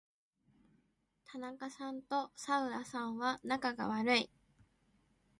田中さんと左右田さんは仲が悪い。